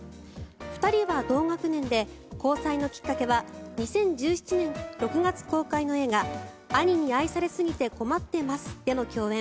２人は同学年で交際のきっかけは２０１６年７月公開の映画「兄に愛されすぎて困ってます」での共演。